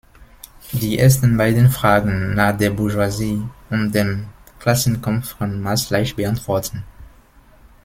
Die ersten beiden Fragen nach der Bourgeoisie und dem Klassenkampf kann Marx leicht beantworten.